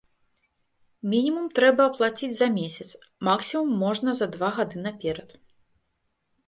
Мінімум трэба аплаціць за месяц, максімум можна за два гады наперад.